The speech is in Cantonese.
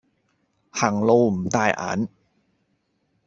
行路唔帶眼